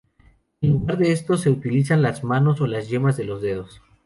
En lugar de estos se utilizan las manos o las yemas de los dedos.